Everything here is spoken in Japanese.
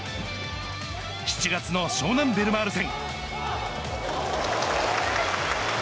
７月の湘南ベルマーレ戦。